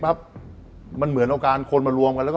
แป๊บมันเหมือนกันคนมารวมกัน